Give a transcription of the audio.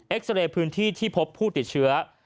ซาเรย์พื้นที่ที่พบผู้ติดเชื้อ